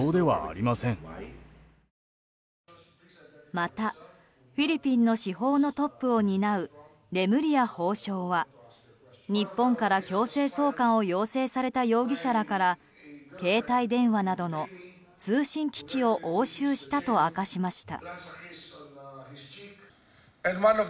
また、フィリピンの司法のトップを狙うレムリヤ法相は日本から強制送還を要請された容疑者らから携帯電話などの通信機器を押収したと明かしました。